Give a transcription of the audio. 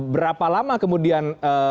berapa lama kemudian